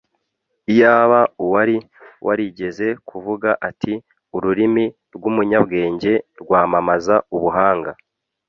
iyaba uwari warigeze kuvuga ati ururimi rw'umunyabwenge rwamamaza ubuhanga